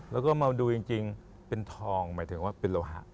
แล้วก็มาดูจริงเป็นทองหมายถึงว่าเป็นโลหะ